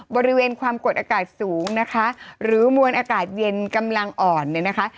บริเวณความกดอากาศสูงนะคะหรือมวลอากาศเย็นกำลังอ่อนเนี่ยนะคะ